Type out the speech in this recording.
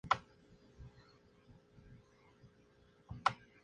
Licenciado en Derecho y en Filosofía y Letras por la Universidad de Sevilla.